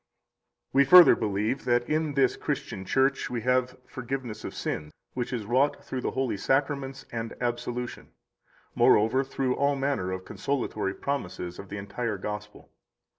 54 We further believe that in this Christian Church we have forgiveness of sin, which is wrought through the holy Sacraments and Absolution, moreover, through all manner of consolatory promises of the entire Gospel.